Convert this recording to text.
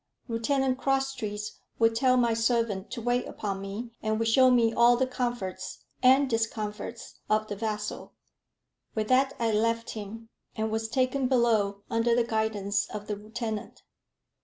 Lieutenant Crosstrees would tell my servant to wait upon me, and would show me all the comforts, and discomforts, of the vessel." With that I left him, and was taken below under the guidance of the lieutenant.